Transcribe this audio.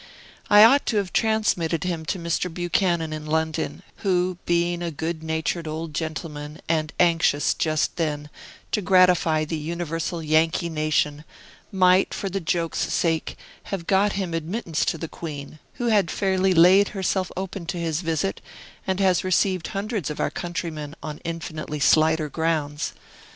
I ought to have transmitted him to Mr. Buchanan, in London, who, being a good natured old gentleman, and anxious, just then, to gratify the universal Yankee nation, might, for the joke's sake, have got him admittance to the Queen, who had fairly laid herself open to his visit, and has received hundreds of our countrymen on infinitely slighter grounds.